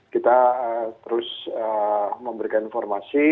kita terus memberikan informasi